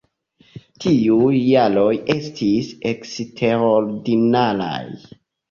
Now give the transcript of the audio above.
Tiuj jaroj estis eksterordinaraj.